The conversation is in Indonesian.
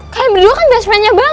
kalian berdua kan best friend nya banget